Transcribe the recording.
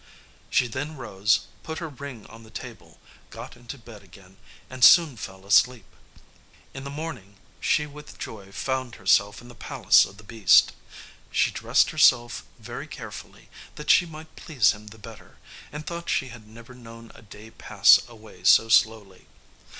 She then rose, put her ring on the table, got into bed again, and soon fell asleep. In the morning she with joy found herself in the palace of the beast. She dressed herself very carefully, that she might please him the better, and thought she had never known a day pass away so slowly.